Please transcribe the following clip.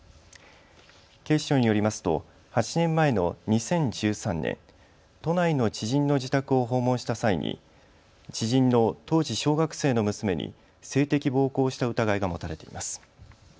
警視庁によりますと８年前の２０１３年、都内の知人の自宅を訪問した際に知人の当時、小学生の娘に性的暴行をした疑いが持たれています。